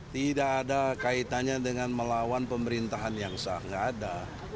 tidak ada kaitannya dengan melawan pemerintahan yang sangat ada